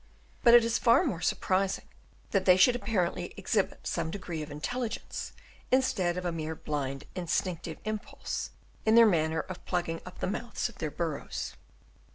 But it is far more surprising that they should ap parently exhibit some degree of intelligence instead of a mere blind instinctive impulse, in their manner of plugging up the mouths of their burrows.